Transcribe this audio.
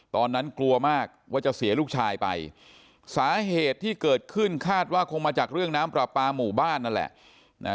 ตอนนั้นกลัวมากว่าจะเสียลูกชายไปสาเหตุที่เกิดขึ้นคาดว่าคงมาจากเรื่องน้ำปลาปลาหมู่บ้านนั่นแหละ